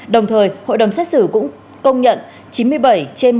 đồng thời hội đồng xét xử cũng công nhận